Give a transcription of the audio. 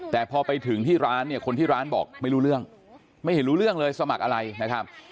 แต่พอไปถึงที่ร้านเนี่ยคนที่ร้านบอกไม่รู้เรื่องไม่เห็นรู้เรื่องเลยสมัครอะไรนะครับ